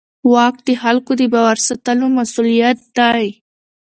واک د خلکو د باور ساتلو مسوولیت لري.